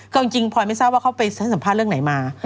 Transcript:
ก็จริงพลอยไม่ทราบว่าเขาไปให้สัมภาษณ์เรื่องไหนมา